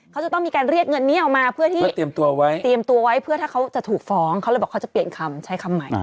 เขาจะต้องมีการเรียกเงินนี้ออกมาเพื่อที่เตรียมตัวไว้เตรียมตัวไว้เพื่อถ้าเขาจะถูกฟ้องเขาเลยบอกเขาจะเปลี่ยนคำใช้คำใหม่